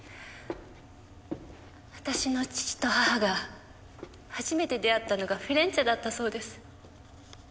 私の父と母が初めて出会ったのがフィレンチェだったそうです。